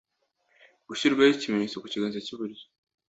Gushyirwaho ikimenyetso ku kiganza cy iburyo